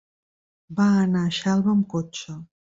Va anar a Xelva amb cotxe.